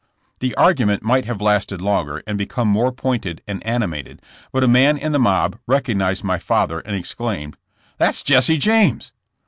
The argument might have lasted longer and be come more pointed and animated but a man in the mob recognized my father and exclaimed: ''That's Jesse James."